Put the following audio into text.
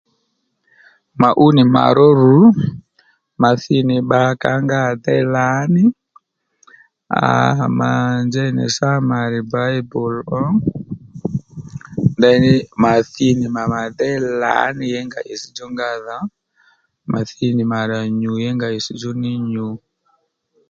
Mà ú nì mà ró ru mà thi nì bbakà ó nga à déy lǎní àa mà njey nì samari Bible ó ndèyní mà thi nì mà mà déy lǎní Yěnga itsdjú nga na mà thi nì mà rà nyu Yěnga itsdjú ní nyû